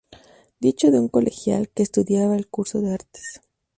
Dicho de un colegial: Que estudiaba el curso de artes.